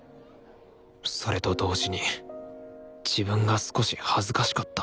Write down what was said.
それと同時に自分が少し恥ずかしかった。